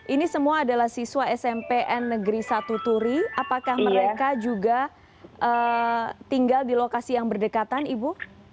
ini semua adalah siswa smpn negeri satu turi apakah mereka juga tinggal di lokasi yang berdekatan ibu